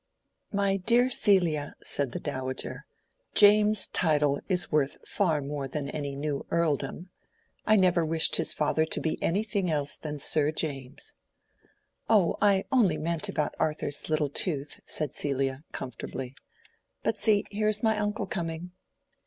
"My dear Celia," said the Dowager, "James's title is worth far more than any new earldom. I never wished his father to be anything else than Sir James." "Oh, I only meant about Arthur's little tooth," said Celia, comfortably. "But see, here is my uncle coming."